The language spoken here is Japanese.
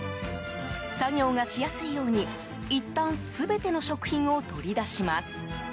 作業がしやすいようにいったん全ての食品を取り出します。